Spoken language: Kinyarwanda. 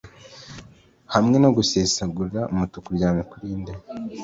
hamwe no gusesagura umutuku uryamye, kuri nde